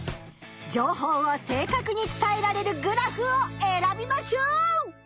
情報を正かくに伝えられるグラフを選びましょう！